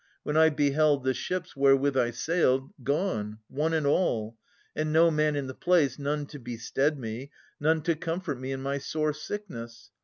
When I beheld the ships, wherewith I sailed. Gone, one and all ! and no man in the place. None to bestead me, none to comfort me In my sore sickness.